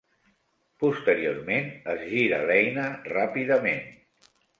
Posteriorment, es gira l'eina ràpidament.